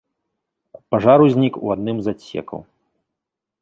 Пажар узнік у адным з адсекаў.